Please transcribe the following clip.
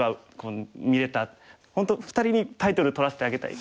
本当２人にタイトル取らせてあげたい。